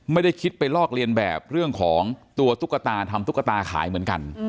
ไม่ได้คิดไปลอกเลียนแบบเรื่องของตัวตุ๊กตาทำตุ๊กตาขายเหมือนกัน